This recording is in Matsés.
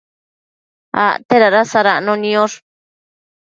acte dada sadacno niosh